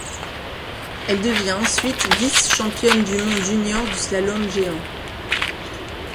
Elle devient ensuite vice-championne du monde junior du slalom géant.